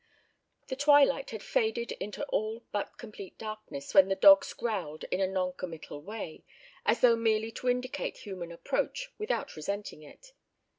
The twilight had faded into all but complete darkness when the dogs growled in a non committal way, as though merely to indicate human approach without resenting it.